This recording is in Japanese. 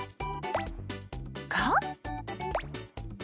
「か？」